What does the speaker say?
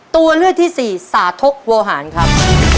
ตัวเลือกที่สี่สาธกโวหารครับ